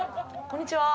こんにちは。